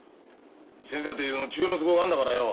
先生だって治療の都合があんだからよ。